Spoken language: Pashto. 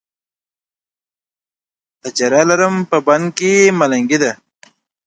تجره لرم، په بنګ کې ملنګي ده